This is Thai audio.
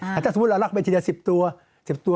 แต่ถ้าสมมุติเราลักไปทีเดียว๑๐ตัว